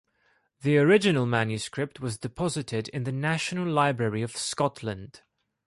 The original manuscript was deposited in the National Library of Scotland.